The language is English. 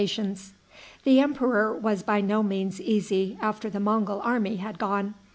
The emperor was by no means easy after the Mongul army had gone.